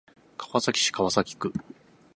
川崎市川崎区